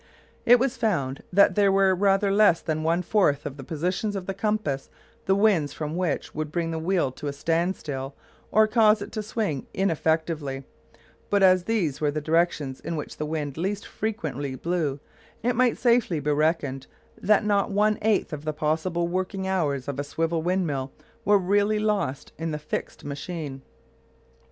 It was found that there were rather less than one fourth of the points of the compass, the winds from which would bring the wheel to a standstill or cause it to swing ineffectively, but as these were the directions in which the wind least frequently blew it might safely be reckoned that not one eighth of the possible working hours of a swivel windmill were really lost in the fixed machine.